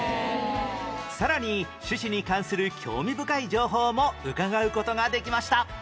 さらに種子に関する興味深い情報も伺う事ができました